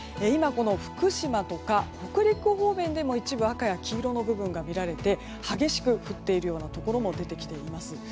福島とか北陸方面でも一部赤や黄色の部分が見られて激しく降っているところも出てきています。